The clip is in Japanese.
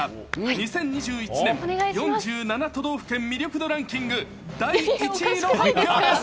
２０２１年４７都道府県魅力度ランキング第１位の発表です。